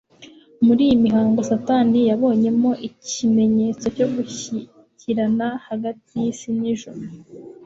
Muri iyi mihango Satani yabonyemo ikimenyetso cyo gushyikirana hagati y'isi n'ijuru.